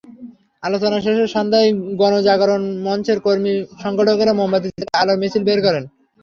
আলোচনা শেষে সন্ধ্যায় গণজাগরণ মঞ্চের কর্মী-সংগঠকেরা মোমবাতি জ্বেলে আলোর মিছিল বের করেন।